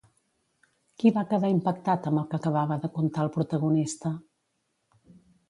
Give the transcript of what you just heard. Qui va quedar impactat amb el que acabava de contar el protagonista?